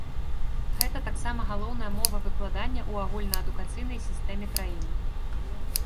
Гэта таксама галоўная мова выкладання ў агульнаадукацыйнай сістэме краіны.